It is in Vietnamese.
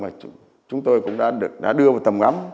đối tượng mà chúng tôi cũng đã đưa vào tầm ngắm